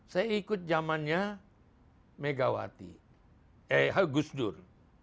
saya ikut zamannya megawati eh gusdur